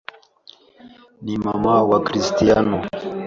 ni Mama wa Cristiano